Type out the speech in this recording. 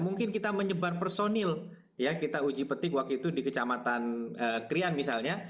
mungkin kita menyebar personil ya kita uji petik waktu itu di kecamatan krian misalnya